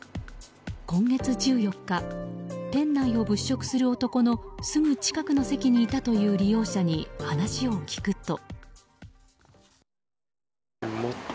今月１４日、店内を物色する男のすぐ近くの席にいたという利用者に話を聞くと。